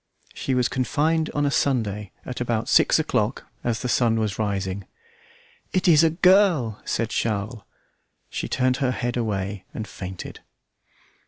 She was confined on a Sunday at about six o'clock, as the sun was rising. "It is a girl!" said Charles. She turned her head away and fainted.